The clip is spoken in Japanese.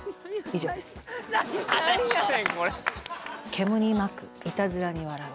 「けむに巻く」「いたずらに笑う」